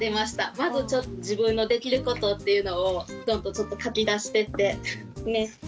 まずちょっと自分のできることっていうのを書き出してってね？